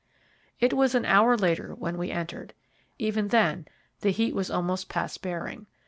It was an hour later when we entered. Even then the heat was almost past bearing.